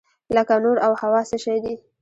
لکه نور او هوا څه شی دي؟